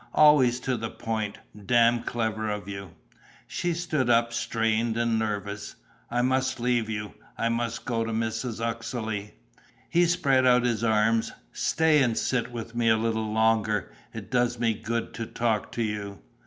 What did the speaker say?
Always to the point. Damned clever of you!" She stood up strained and nervous: "I must leave you. I must go to Mrs. Uxeley." He spread out his arms: "Stay and sit with me a little longer. It does me good to talk to you."